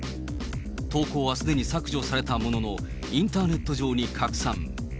投稿はすでに削除されたものの、インターネット上に拡散。